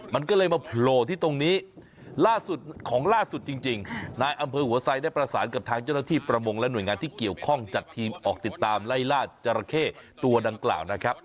มันก็เลยมาโผล่ที่ตรงนี้ล่าสุดของล่าสุดจริงนายอำเภอหัวไซดได้ประสานกับทางเจ้าหน้าที่ประมงและหน่วยงานที่เกี่ยวข้องจัดทีมออกติดตามไล่ล่าจราเข้ตัวดังกล่าวนะครับ